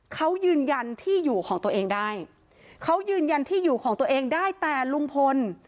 เขายืนยันที่อยู่ของตัวเองได้เขายืนยันที่อยู่ของตัวเองได้แต่ลุงพล